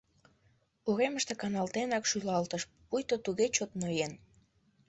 Уремыште каналтенак шӱлалтыш, пуйто туге чот ноен.